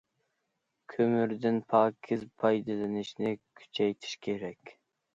كۆمۈردىن پاكىز پايدىلىنىشنى كۈچەيتىش كېرەك.